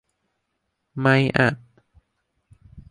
ไมอ่ะ